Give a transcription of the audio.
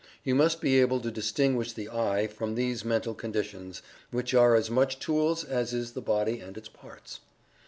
You must be able to distinguish the "I" from these mental conditions, which are as much tools as is the body and its parts.